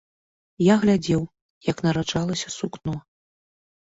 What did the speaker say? Я глядзеў, як нараджалася сукно.